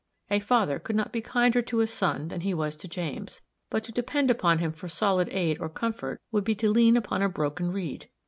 A father could not be kinder to a son than he was to James; but to depend upon him for solid aid or comfort would be to lean upon a broken reed.